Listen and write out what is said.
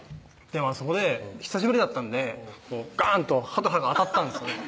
そこで久しぶりだったんでこうガンと歯と歯が当たったんですよね